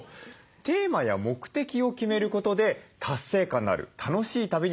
テーマや目的を決めることで達成感のある楽しい旅になるそうです。